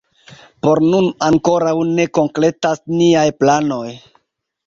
Por nun ankoraŭ ne konkretas niaj planoj.